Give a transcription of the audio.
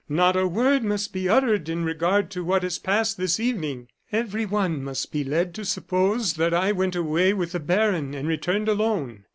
Not a word must be uttered in regard to what has passed this evening. Everyone must be led to suppose that I went away with the baron and returned alone.